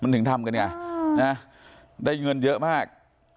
มันถึงทำกันไงได้เงินเยอะมาก